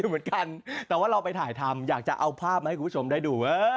เหมือนกันแต่ว่าเราไปถ่ายทำอยากจะเอาภาพมาให้คุณผู้ชมได้ดู